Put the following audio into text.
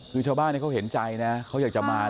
คือชาวบ้านเขาเห็นใจนะเขาอยากจะมา